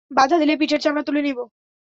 বাঁধা দিলে পিঠের চামড়া তুলে নিব।